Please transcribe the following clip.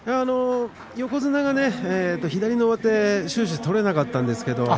横綱がね左の上手を終始取れなかったんですが。